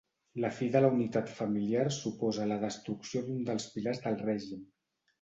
La fi de la unitat familiar suposa la destrucció d'un dels pilars del règim.